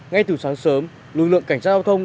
ngay từ sáng sớm lực lượng cảnh sát giao thông